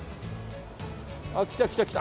あっ来た来た来た。